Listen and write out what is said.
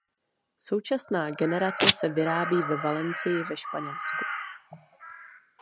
Současná generace se vyrábí ve Valencii ve Španělsku.